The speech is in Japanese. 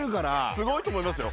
すごいと思いますよ